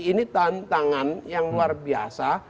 ini tantangan yang luar biasa